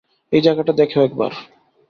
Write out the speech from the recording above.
এই জায়গাটা দেখো একবার।